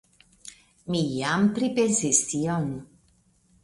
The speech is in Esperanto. Mi jam pripensis tion.